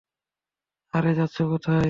আরে, যাচ্ছো কোথায়?